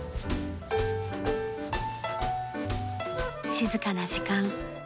静かな時間。